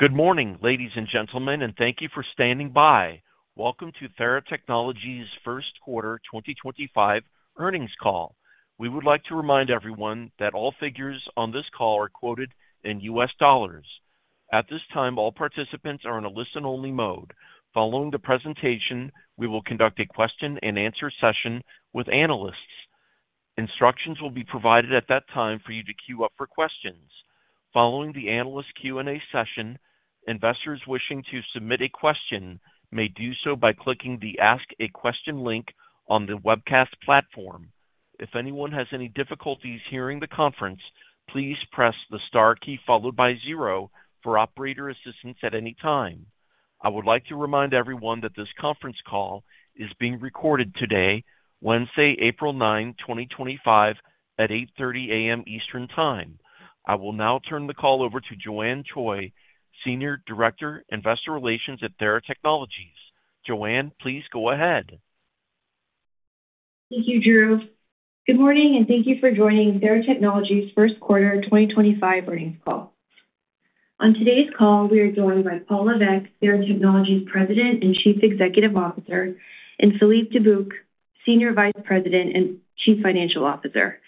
Good morning, ladies and gentlemen, and thank you for standing by. Welcome to Theratechnologies' First Quarter 2025 Earnings Call. We would like to remind everyone that all figures on this call are quoted in U.S. dollars. At this time, all participants are in a listen-only mode. Following the presentation, we will conduct a Q&A session with analysts. Instructions will be provided at that time for you to queue up for questions. Following the analyst Q&A session, investors wishing to submit a question may do so by clicking the Ask a Question link on the webcast platform. If anyone has any difficulties hearing the conference, please press the star key followed by zero for operator assistance at any time. I would like to remind everyone that this conference call is being recorded today, Wednesday, April 9, 2025, at 8:30 A.M. Eastern Time. I will now turn the call over to Joanne Choi, Senior Director, Investor Relations at Theratechnologies. Joanne, please go ahead. Thank you, Drew. Good morning, and thank you for joining Theratechnologies' First Quarter 2025 Earnings Call. On today's call, we are joined by Paul Lévesque, Theratechnologies' President and Chief Executive Officer, and Philippe Dubuc, Senior Vice President and Chief Financial Officer.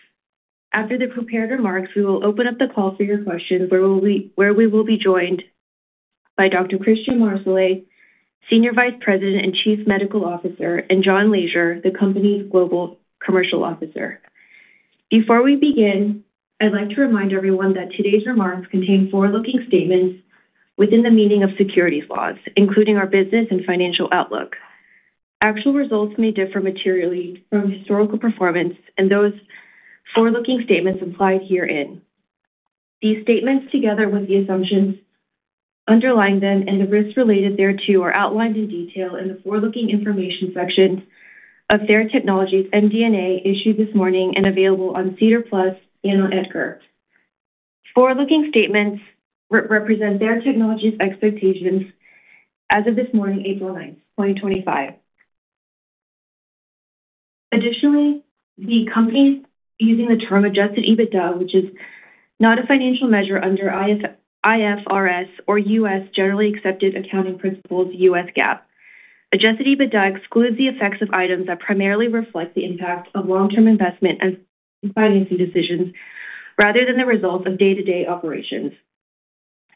After the prepared remarks, we will open up the call for your questions, where we will be joined by Dr. Christian Marsolais, Senior Vice President and Chief Medical Officer, and John Leasure, the company's Global Commercial Officer. Before we begin, I'd like to remind everyone that today's remarks contain forward-looking statements within the meaning of securities laws, including our business and financial outlook. Actual results may differ materially from historical performance, and those forward-looking statements apply herein to these statements together with the assumptions underlying them, and the risks related thereto are outlined in detail in the forward-looking information section of Theratechnologies' MD&A issued this morning and available on SEDAR+ and on EDGAR. Forward-looking statements represent Theratechnologies' expectations as of this morning, April 9, 2025. Additionally, the company is using the term adjusted EBITDA, which is not a financial measure under IFRS or U.S. GAAP. Adjusted EBITDA excludes the effects of items that primarily reflect the impact of long-term investment and financing decisions rather than the results of day-to-day operations.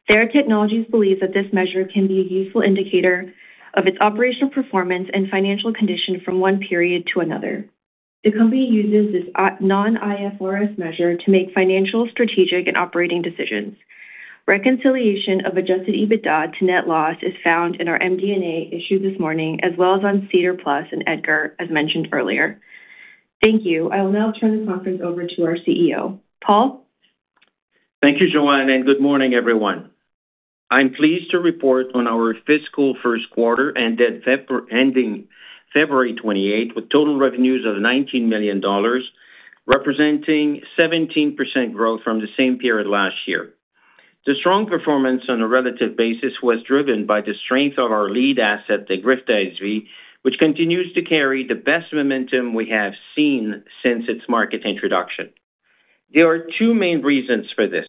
Theratechnologies believes that this measure can be a useful indicator of its operational performance and financial condition from one period to another. The company uses this non-IFRS measure to make financial, strategic, and operating decisions. Reconciliation of adjusted EBITDA to net loss is found in our MD&A issued this morning, as well as on SEDAR+ and EDGAR, as mentioned earlier. Thank you. I will now turn the conference over to our CEO, Paul. Thank you, Joanne, and good morning, everyone. I'm pleased to report on our fiscal first quarter and debt ending February 28, with total revenues of $19 million, representing 17% growth from the same period last year. The strong performance on a relative basis was driven by the strength of our lead asset, EGRIFTA SV, which continues to carry the best momentum we have seen since its market introduction. There are two main reasons for this.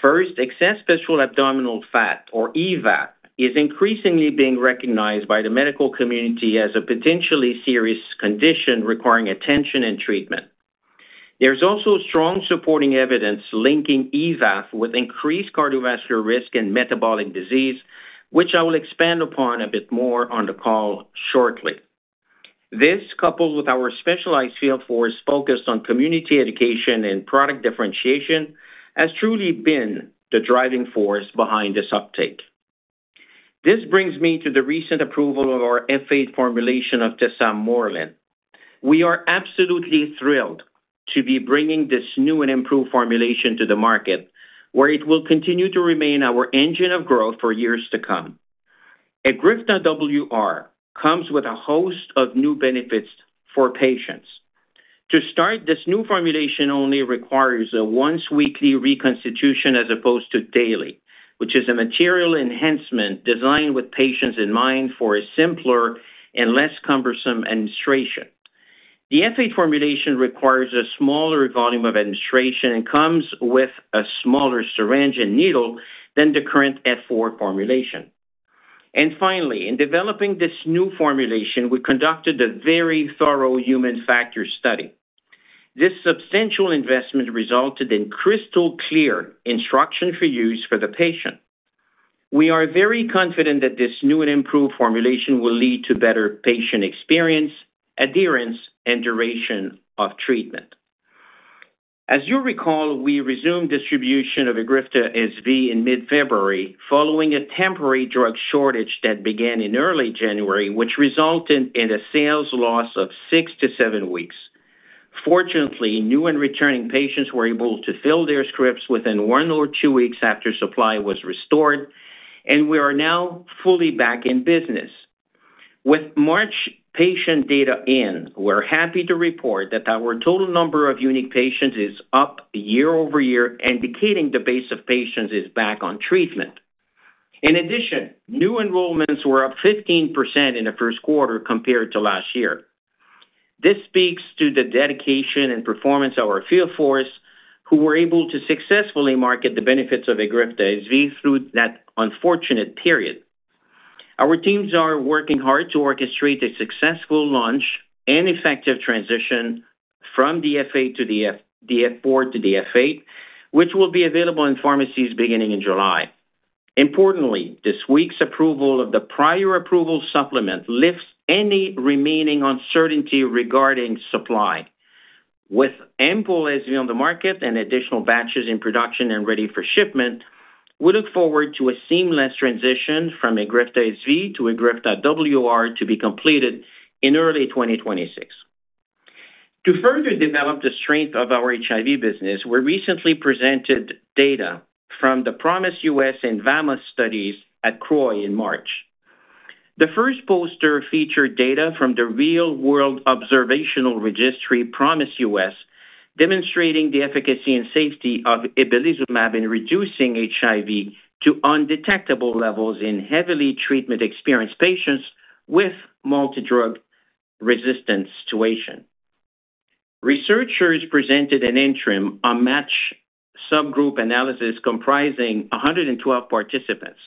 First, excess visceral abdominal fat, or EVAF, is increasingly being recognized by the medical community as a potentially serious condition requiring attention and treatment. There's also strong supporting evidence linking EVAF with increased cardiovascular risk and metabolic disease, which I will expand upon a bit more on the call shortly. This, coupled with our specialized field force focused on community education and product differentiation, has truly been the driving force behind this uptake. This brings me to the recent approval of our F8 formulation of tesamorelin. We are absolutely thrilled to be bringing this new and improved formulation to the market, where it will continue to remain our engine of growth for years to come. EGRIFTA WR comes with a host of new benefits for patients. To start, this new formulation only requires a once-weekly reconstitution as opposed to daily, which is a material enhancement designed with patients in mind for a simpler and less cumbersome administration. The F8 formulation requires a smaller volume of administration and comes with a smaller syringe and needle than the current F4 formulation. Finally, in developing this new formulation, we conducted a very thorough human factor study. This substantial investment resulted in crystal clear instructions for use for the patient. We are very confident that this new and improved formulation will lead to better patient experience, adherence, and duration of treatment. As you recall, we resumed distribution of EGRIFTA SV in mid-February following a temporary drug shortage that began in early January, which resulted in a sales loss of six to seven weeks. Fortunately, new and returning patients were able to fill their scripts within one or two weeks after supply was restored, and we are now fully back in business. With March patient data in, we're happy to report that our total number of unique patients is up year over year, indicating the base of patients is back on treatment. In addition, new enrollments were up 15% in the first quarter compared to last year. This speaks to the dedication and performance of our field force, who were able to successfully market the benefits of EGRIFTA SV through that unfortunate period. Our teams are working hard to orchestrate a successful launch and effective transition from the F8 to the F4 to the F8, which will be available in pharmacies beginning in July. Importantly, this week's approval of the prior approval supplement lifts any remaining uncertainty regarding supply. With ample SV on the market and additional batches in production and ready for shipment, we look forward to a seamless transition from EGRIFTA SV to EGRIFTA WR to be completed in early 2026. To further develop the strength of our HIV business, we recently presented data from the PROMISE-US and VAMOS studies at CROI in March. The first poster featured data from the Real World Observational Registry PROMISE-US, demonstrating the efficacy and safety of ibalizumab in reducing HIV to undetectable levels in heavily treatment-experienced patients with multi-drug resistance situations. Researchers presented an interim, a matched subgroup analysis comprising 112 participants.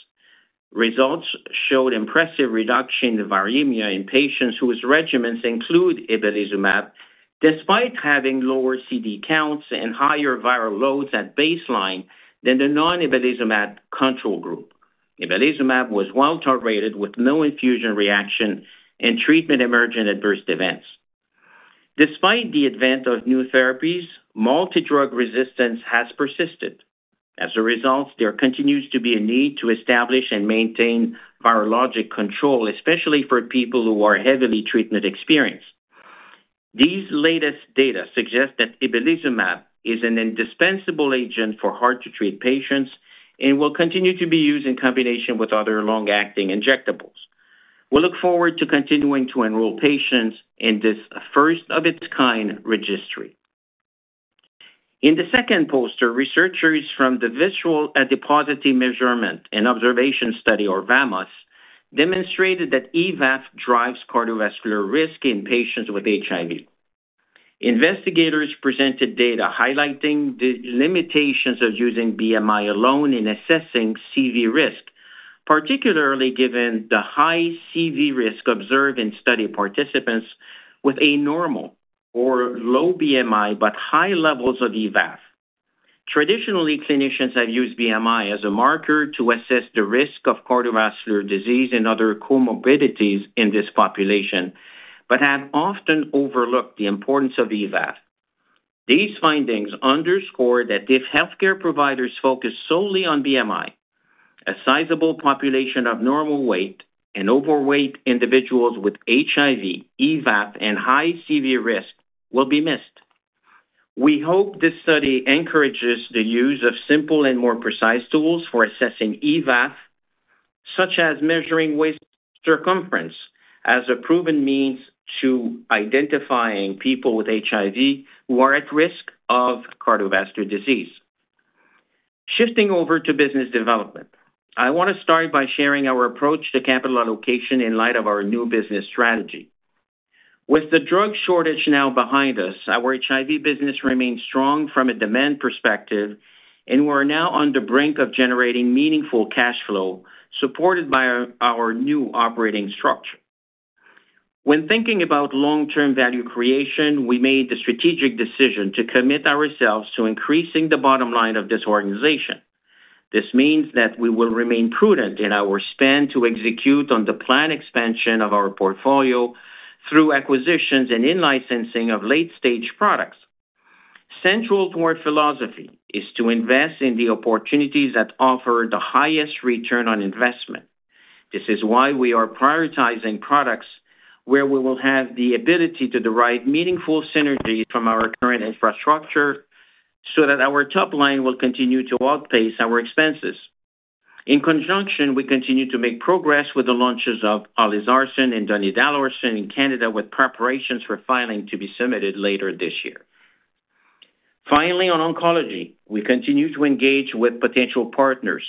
Results showed impressive reduction in the viremia in patients whose regimens include ibalizumab, despite having lower CD counts and higher viral loads at baseline than the non-ibalizumab control group. Ibalizumab was well tolerated with no infusion reaction and treatment emergent at burst events. Despite the advent of new therapies, multi-drug resistance has persisted. As a result, there continues to be a need to establish and maintain virologic control, especially for people who are heavily treatment-experienced. These latest data suggest that ibalizumab is an indispensable agent for hard-to-treat patients and will continue to be used in combination with other long-acting injectables. We look forward to continuing to enroll patients in this first-of-its-kind registry. In the second poster, researchers from the Visceral Adiposity Measurement and Observation Study, or VAMOS, demonstrated that EVAF drives cardiovascular risk in patients with HIV. Investigators presented data highlighting the limitations of using BMI alone in assessing CV risk, particularly given the high CV risk observed in study participants with a normal or low BMI but high levels of EVAF. Traditionally, clinicians have used BMI as a marker to assess the risk of cardiovascular disease and other comorbidities in this population, but have often overlooked the importance of EVAF. These findings underscore that if healthcare providers focus solely on BMI, a sizable population of normal weight and overweight individuals with HIV, EVAF, and high CV risk will be missed. We hope this study encourages the use of simple and more precise tools for assessing EVAF, such as measuring waist circumference as a proven means to identifying people with HIV who are at risk of cardiovascular disease. Shifting over to business development, I want to start by sharing our approach to capital allocation in light of our new business strategy. With the drug shortage now behind us, our HIV business remains strong from a demand perspective, and we're now on the brink of generating meaningful cash flow supported by our new operating structure. When thinking about long-term value creation, we made the strategic decision to commit ourselves to increasing the bottom line of this organization. This means that we will remain prudent in our spend to execute on the planned expansion of our portfolio through acquisitions and in-licensing of late-stage products. Central to our philosophy is to invest in the opportunities that offer the highest return on investment. This is why we are prioritizing products where we will have the ability to derive meaningful synergies from our current infrastructure so that our top line will continue to outpace our expenses. In conjunction, we continue to make progress with the launches of olezarsen and donidalorsen in Canada, with preparations for filing to be submitted later this year. Finally, on oncology, we continue to engage with potential partners.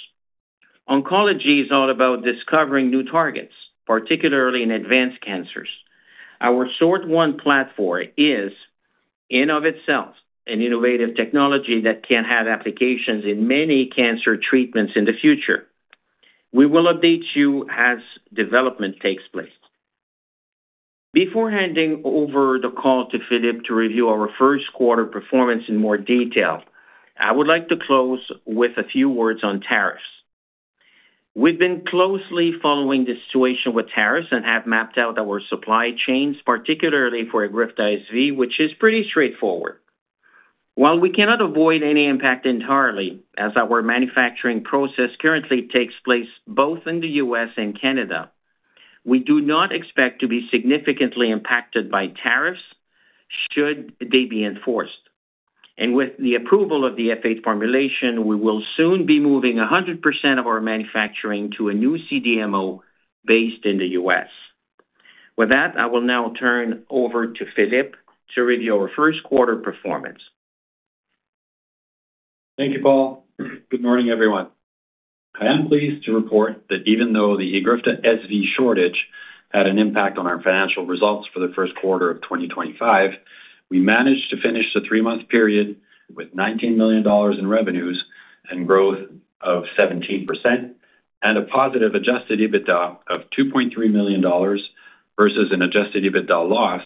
Oncology is all about discovering new targets, particularly in advanced cancers. Our SORT1+ platform is, in and of itself, an innovative technology that can have applications in many cancer treatments in the future. We will update you as development takes place. Before handing over the call to Philippe to review our first quarter performance in more detail, I would like to close with a few words on tariffs. We've been closely following the situation with tariffs and have mapped out our supply chains, particularly for EGRIFTA SV, which is pretty straightforward. While we cannot avoid any impact entirely, as our manufacturing process currently takes place both in the U.S. and Canada, we do not expect to be significantly impacted by tariffs should they be enforced. With the approval of the F8 formulation, we will soon be moving 100% of our manufacturing to a new CDMO based in the U.S. With that, I will now turn over to Philippe to review our first quarter performance. Thank you, Paul. Good morning, everyone.I am pleased to report that even though the EGRIFTA SV shortage had an impact on our financial results for the first quarter of 2025, we managed to finish the three-month period with $19 million in revenues and growth of 17% and a positive adjusted EBITDA of $2.3 million versus an adjusted EBITDA loss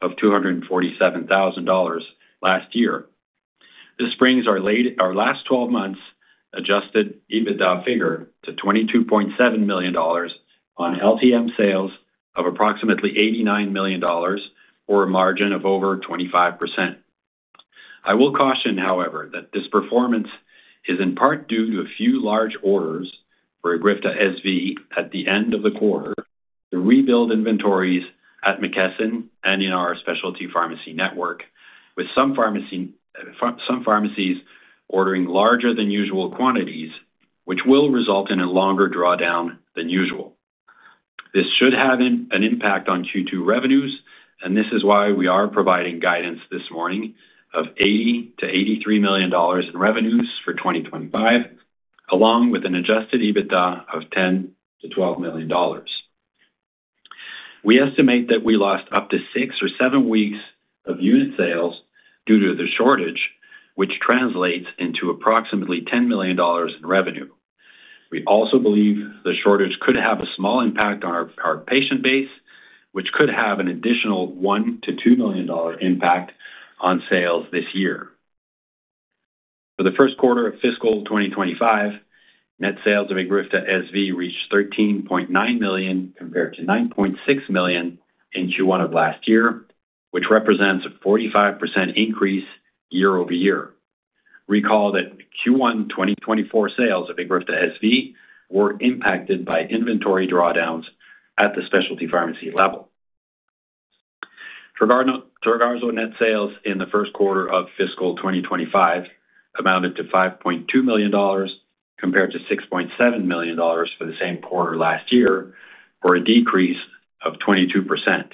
of $247,000 last year. This brings our last 12 months' adjusted EBITDA figure to $22.7 million on LTM sales of approximately $89 million, or a margin of over 25%. I will caution, however, that this performance is in part due to a few large orders for EGRIFTA SV at the end of the quarter to rebuild inventories at McKesson and in our specialty pharmacy network, with some pharmacies ordering larger-than-usual quantities, which will result in a longer drawdown than usual. This should have an impact on Q2 revenues, and this is why we are providing guidance this morning of $80 million-$83 million in revenues for 2025, along with an adjusted EBITDA of $10 million-$12 million. We estimate that we lost up to six or seven weeks of unit sales due to the shortage, which translates into approximately $10 million in revenue. We also believe the shortage could have a small impact on our patient base, which could have an additional $1 million-$2 million impact on sales this year. For the first quarter of fiscal 2025, net sales of EGRIFTA SV reached $13.9 million compared to $9.6 million in Q1 of last year, which represents a 45% increase year over year. Recall that Q1 2024 sales of EGRIFTA SV were impacted by inventory drawdowns at the specialty pharmacy level. Trogarzo net sales in the first quarter of fiscal 2025 amounted to $5.2 million compared to $6.7 million for the same quarter last year, for a decrease of 22%.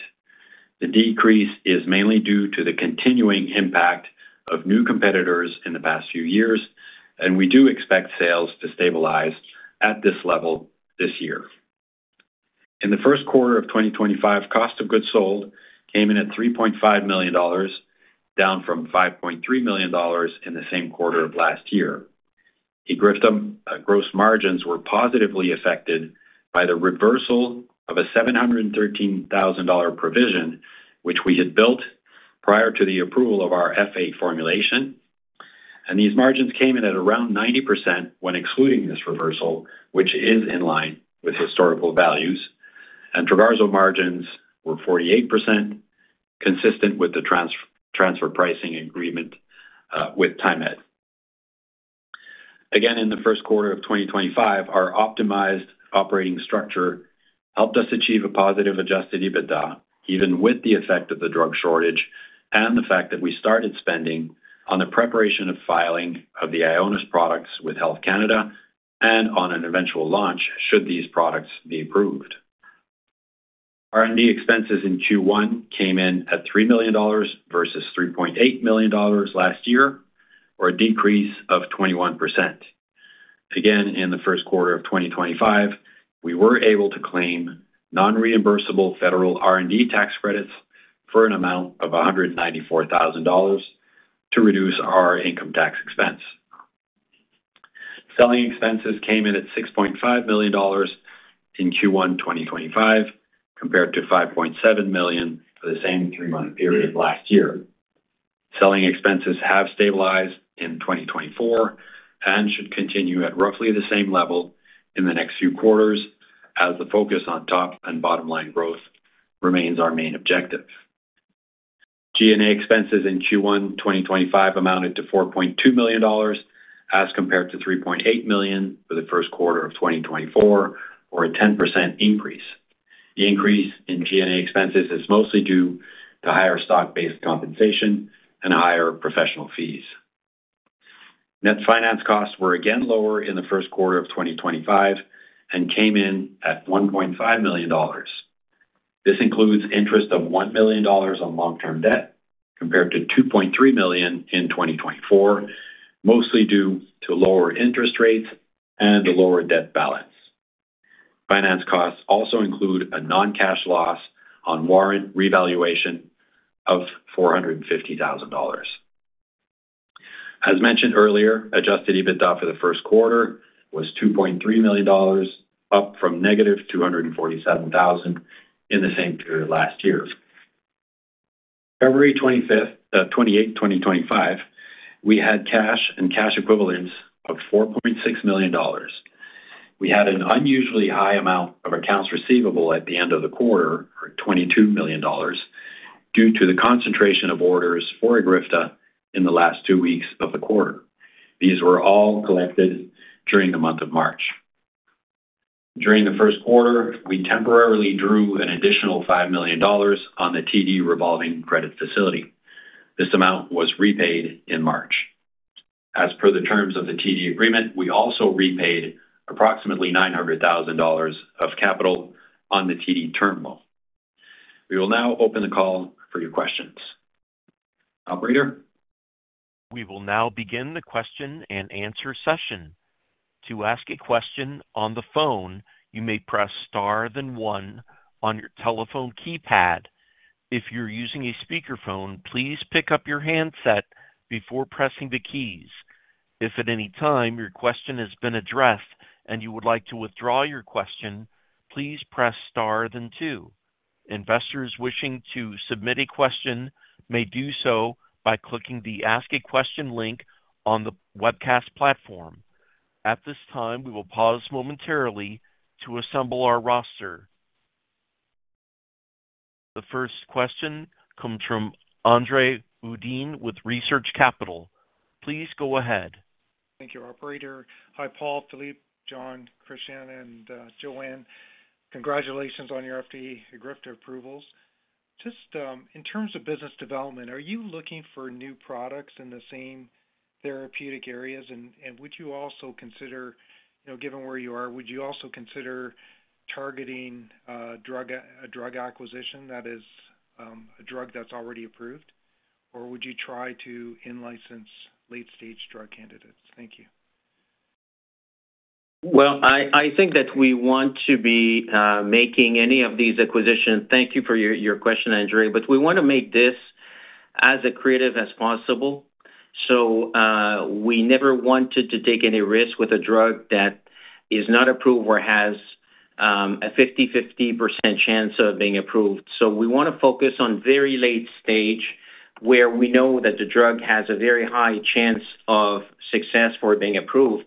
The decrease is mainly due to the continuing impact of new competitors in the past few years, and we do expect sales to stabilize at this level this year. In the first quarter of 2025, cost of goods sold came in at $3.5 million, down from $5.3 million in the same quarter of last year. EGRIFTA gross margins were positively affected by the reversal of a $713,000 provision, which we had built prior to the approval of our F8 formulation. These margins came in at around 90% when excluding this reversal, which is in line with historical values. Trogarzo margins were 48%, consistent with the transfer pricing agreement with TaiMed. Again, in the first quarter of 2025, our optimized operating structure helped us achieve a positive adjusted EBITDA, even with the effect of the drug shortage and the fact that we started spending on the preparation of filing of the Ionis products with Health Canada and on an eventual launch should these products be approved. R&D expenses in Q1 came in at $3 million versus $3.8 million last year, for a decrease of 21%. Again, in the first quarter of 2025, we were able to claim non-reimbursable federal R&D tax credits for an amount of $194,000 to reduce our income tax expense. Selling expenses came in at $6.5 million in Q1 2025, compared to $5.7 million for the same three-month period last year. Selling expenses have stabilized in 2024 and should continue at roughly the same level in the next few quarters, as the focus on top and bottom line growth remains our main objective. G&A expenses in Q1 2025 amounted to $4.2 million, as compared to $3.8 million for the first quarter of 2024, for a 10% increase. The increase in G&A expenses is mostly due to higher stock-based compensation and higher professional fees. Net finance costs were again lower in the first quarter of 2025 and came in at $1.5 million. This includes interest of $1 million on long-term debt, compared to $2.3 million in 2024, mostly due to lower interest rates and a lower debt balance. Finance costs also include a non-cash loss on warrant revaluation of $450,000. As mentioned earlier, adjusted EBITDA for the first quarter was $2.3 million, up from negative $247,000 in the same period last year. February 28, 2025, we had cash and cash equivalents of $4.6 million. We had an unusually high amount of accounts receivable at the end of the quarter, or $22 million, due to the concentration of orders for EGRIFTA in the last two weeks of the quarter. These were all collected during the month of March. During the first quarter, we temporarily drew an additional $5 million on the TD revolving credit facility. This amount was repaid in March. As per the terms of the TD agreement, we also repaid approximately $900,000 of capital on the TD terminal. We will now open the call for your questions. Operator. We will now begin the Q&A session. To ask a question on the phone, you may press star then one on your telephone keypad. If you're using a speakerphone, please pick up your handset before pressing the keys. If at any time your question has been addressed and you would like to withdraw your question, please press star then two. Investors wishing to submit a question may do so by clicking the Ask a Question link on the webcast platform. At this time, we will pause momentarily to assemble our roster. The first question comes from Andre Uddin with Research Capital. Please go ahead. Thank you, Operator. Hi, Paul, Philippe, John, Christian, and Joanne. Congratulations on your EGRIFTA approvals. Just in terms of business development, are you looking for new products in the same therapeutic areas? Would you also consider, given where you are, would you also consider targeting a drug acquisition that is a drug that's already approved? Would you try to in-license late-stage drug candidates? Thank you. I think that we want to be making any of these acquisitions—thank you for your question, Andre—but we want to make this as accretive as possible. We never wanted to take any risk with a drug that is not approved or has a 50/50% chance of being approved. We want to focus on very late stage, where we know that the drug has a very high chance of success for being approved.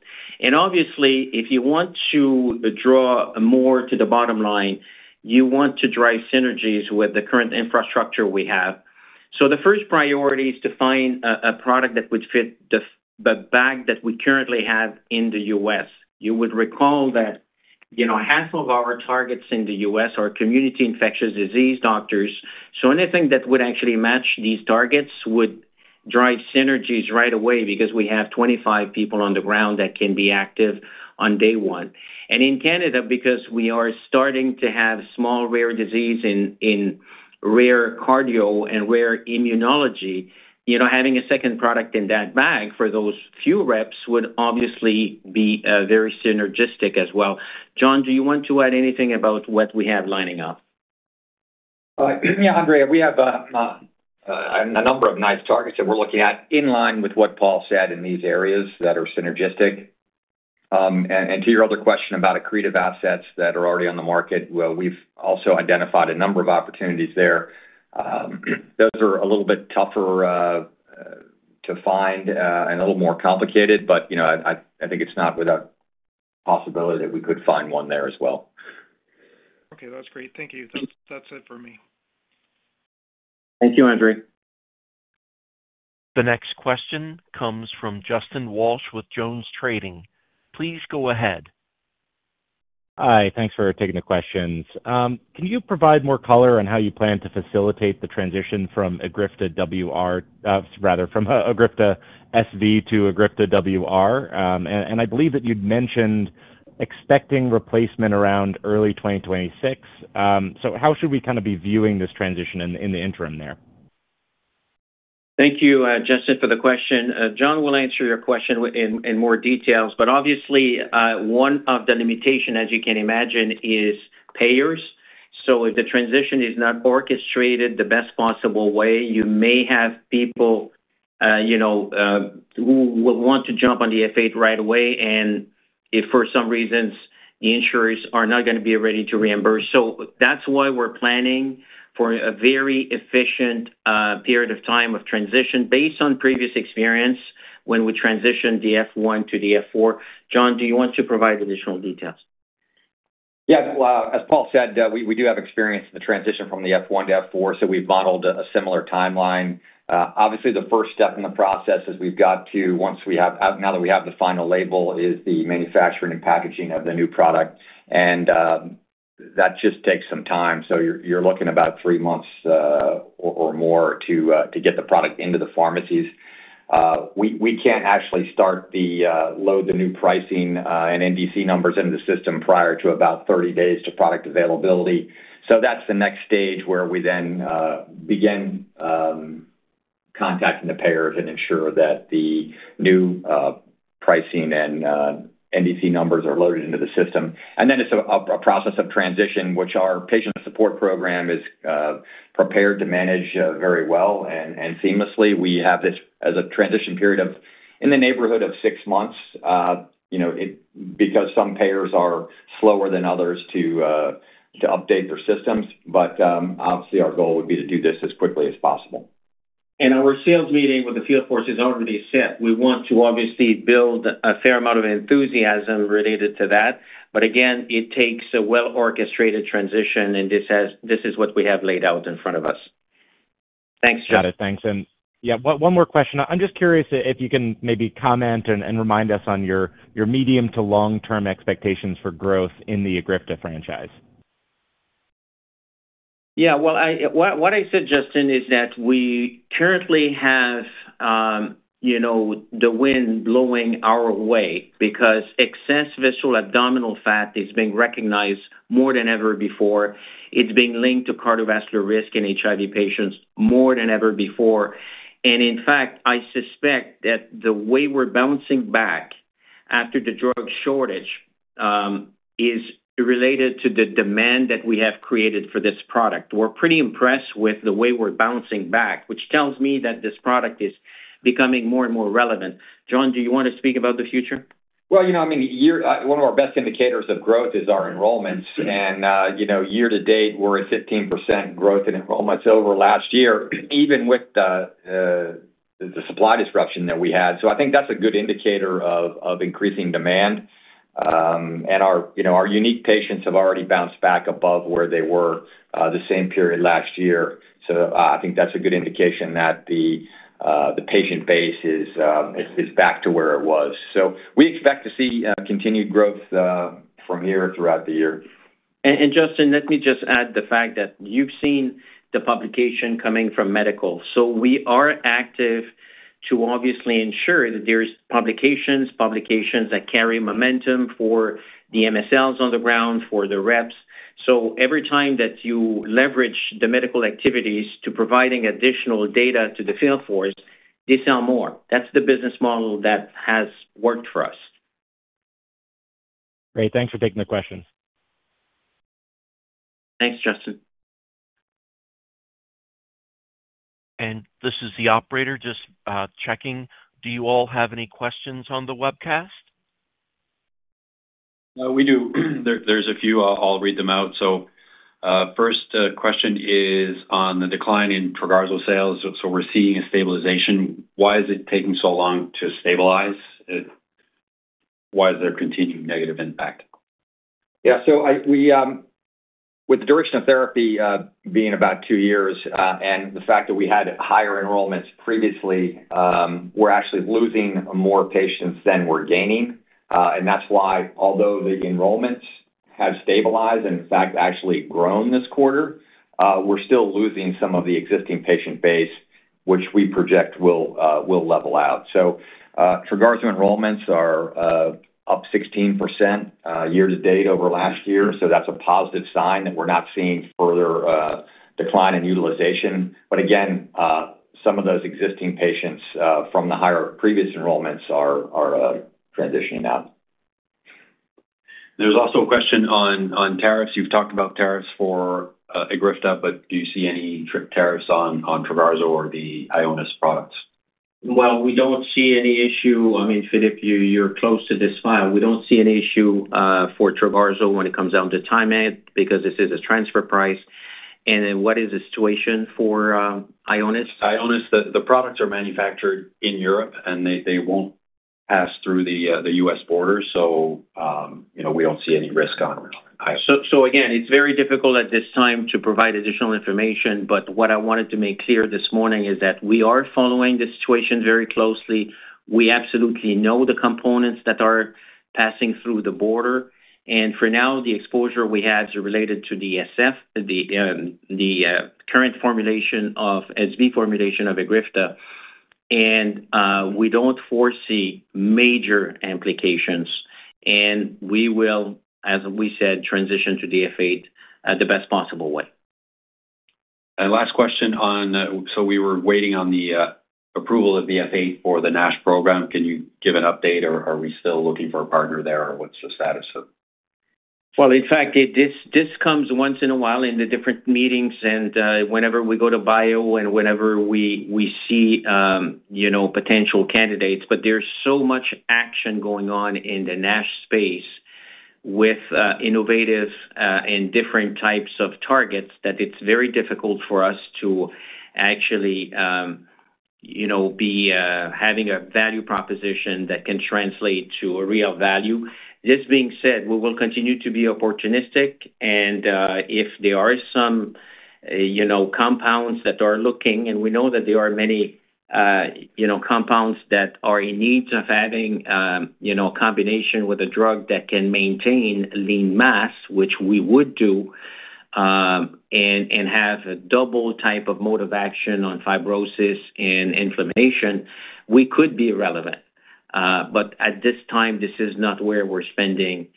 Obviously, if you want to draw more to the bottom line, you want to drive synergies with the current infrastructure we have. The first priority is to find a product that would fit the bag that we currently have in the U.S. You would recall that half of our targets in the U.S. are community infectious disease doctors. Anything that would actually match these targets would drive synergies right away because we have 25 people on the ground that can be active on day one. In Canada, because we are starting to have small rare disease in rare cardio and rare immunology, having a second product in that bag for those few reps would obviously be very synergistic as well. John, do you want to add anything about what we have lining up? Yeah, Andre, we have a number of nice targets that we're looking at in line with what Paul said in these areas that are synergistic. To your other question about accretive assets that are already on the market, we've also identified a number of opportunities there. Those are a little bit tougher to find and a little more complicated, but I think it's not without possibility that we could find one there as well. Okay, that's great. Thank you. That's it for me. Thank you, Andre. The next question comes from Justin Walsh with JonesTrading. Please go ahead. Hi, thanks for taking the questions. Can you provide more color on how you plan to facilitate the transition from EGRIFTA WR —rather, from EGRIFTA SV to EGRIFTA WR? And I believe that you'd mentioned expecting replacement around early 2026. How should we kind of be viewing this transition in the interim there? Thank you, Justin, for the question. John will answer your question in more details, but obviously, one of the limitations, as you can imagine, is payers. If the transition is not orchestrated the best possible way, you may have people who will want to jump on the F8 right away, and if for some reason the insurers are not going to be ready to reimburse. That is why we are planning for a very efficient period of time of transition. Based on previous experience when we transitioned the F1 to the F4, John, do you want to provide additional details? Yeah, as Paul said, we do have experience in the transition from the F1 to F4, so we have modeled a similar timeline. Obviously, the first step in the process is we have to, once we have—now that we have the final label—is the manufacturing and packaging of the new product. That just takes some time. You are looking at about three months or more to get the product into the pharmacies. We can't actually start the load of the new pricing and NDC numbers into the system prior to about 30 days to product availability. That is the next stage where we then begin contacting the payers and ensure that the new pricing and NDC numbers are loaded into the system. It is a process of transition, which our patient support program is prepared to manage very well and seamlessly. We have this as a transition period of in the neighborhood of six months because some payers are slower than others to update their systems. Obviously, our goal would be to do this as quickly as possible. Our sales meeting with the field force is already set. We want to obviously build a fair amount of enthusiasm related to that. Again, it takes a well-orchestrated transition, and this is what we have laid out in front of us. Thanks, John. Got it. Thanks. Yeah, one more question. I'm just curious if you can maybe comment and remind us on your medium to long-term expectations for growth in the EGRIFTA franchise. Yeah, what I said, Justin, is that we currently have the wind blowing our way because excess visceral abdominal fat is being recognized more than ever before. It's being linked to cardiovascular risk in HIV patients more than ever before. In fact, I suspect that the way we're bouncing back after the drug shortage is related to the demand that we have created for this product. We're pretty impressed with the way we're bouncing back, which tells me that this product is becoming more and more relevant. John, do you want to speak about the future? I mean, one of our best indicators of growth is our enrollments. Year to date, we're at 15% growth in enrollments over last year, even with the supply disruption that we had. I think that's a good indicator of increasing demand. Our unique patients have already bounced back above where they were the same period last year. I think that's a good indication that the patient base is back to where it was. We expect to see continued growth from here throughout the year. Justin, let me just add the fact that you've seen the publication coming from medical. We are active to obviously ensure that there are publications, publications that carry momentum for the MSLs on the ground, for the reps. Every time that you leverage the medical activities to providing additional data to the field force, they sell more. That's the business model that has worked for us. Great. Thanks for taking the question. Thanks, Justin. This is the operator just checking. Do you all have any questions on the webcast? We do. There's a few. I'll read them out. First question is on the decline in Trogarzo sales. We're seeing a stabilization. Why is it taking so long to stabilize? Why is there continued negative impact? Yeah, with the duration of therapy being about two years and the fact that we had higher enrollments previously, we're actually losing more patients than we're gaining. That's why, although the enrollments have stabilized and in fact actually grown this quarter, we're still losing some of the existing patient base, which we project will level out. Trogarzo enrollments are up 16% year to date over last year. That's a positive sign that we're not seeing further decline in utilization. Again, some of those existing patients from the higher previous enrollments are transitioning out. There's also a question on tariffs. You've talked about tariffs for EGRIFTA, but do you see any tariffs on Trogarzo or the Ionis products? We don't see any issue. I mean, Philippe, you're close to this file. We don't see any issue for Trogarzo when it comes down to TaiMed because this is a transfer price. What is the situation for Ionis? Ionis, the products are manufactured in Europe, and they won't pass through the U.S. border. We don't see any risk on Ionis. Again, it's very difficult at this time to provide additional information. What I wanted to make clear this morning is that we are following the situation very closely. We absolutely know the components that are passing through the border. For now, the exposure we have is related to the SV, the current formulation of SV formulation of EGRIFTA. We do not foresee major implications. We will, as we said, transition to the F8 the best possible way. Last question on, we were waiting on the approval of the F8 for the NASH program. Can you give an update? Are we still looking for a partner there, or what is the status of? In fact, this comes once in a while in the different meetings and whenever we go to bio and whenever we see potential candidates. There is so much action going on in the NASH space with innovative and different types of targets that it is very difficult for us to actually be having a value proposition that can translate to a real value. This being said, we will continue to be opportunistic. If there are some compounds that are looking, and we know that there are many compounds that are in need of having a combination with a drug that can maintain lean mass, which we would do, and have a double type of mode of action on fibrosis and inflammation, we could be relevant. At this time, this is not where we're spending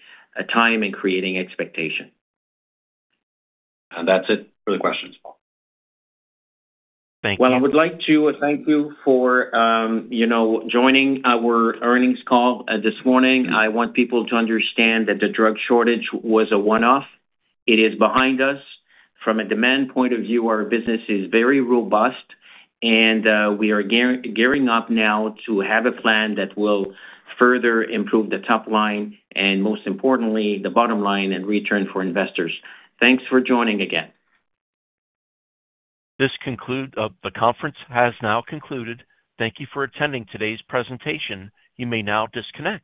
time and creating expectation. That's it for the questions, Paul. Thank you. I would like to thank you for joining our earnings call this morning. I want people to understand that the drug shortage was a one-off. It is behind us. From a demand point of view, our business is very robust, and we are gearing up now to have a plan that will further improve the top line and, most importantly, the bottom line and return for investors. Thanks for joining again. This conference has now concluded. Thank you for attending today's presentation. You may now disconnect.